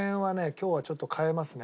今日はちょっと変えますね。